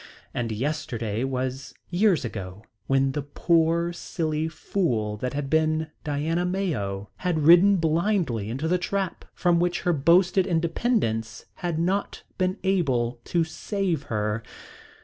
And yesterday was years ago, when the poor silly fool that had been Diana Mayo had ridden blindly into the trap from which her boasted independence had not been able to save her.